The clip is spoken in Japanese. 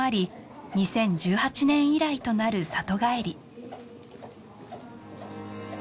２０１８年以来となる里帰り